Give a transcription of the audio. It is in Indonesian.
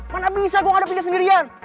mana bisa gue gak ada punya sendirian